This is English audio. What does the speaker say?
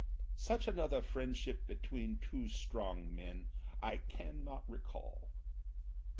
Such another friendship between two strong men I can not recall.